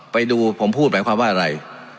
ไปดูผมพูดแปลงคำว่าอะไร